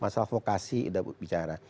masalah vokasi sudah bicara